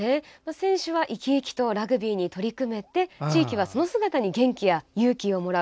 選手は生き生きとラグビーに取り組めて地域はその姿に元気や勇気をもらう。